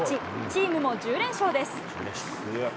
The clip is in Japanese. チームも１０連勝です。